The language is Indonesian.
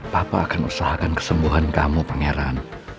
papa akan usahakan kesembuhan kamu pangeran